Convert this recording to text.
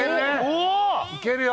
いけるね。